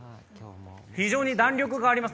非常に弾力があります！